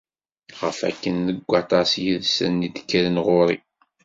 Ɣas akken deg waṭas yid-sen i d-kkren ɣur-i.